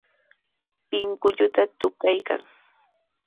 Pinkulluta tukaykan.